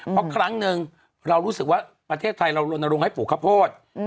เพราะครั้งนึงตอนนี้ประเทศไทยเราดูดปรณานูลงให้ฝูกข้าวโพธิ